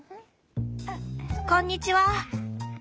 こんにちは。